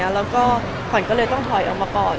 แล้วก็ขวัญก็เลยต้องถอยออกมาก่อน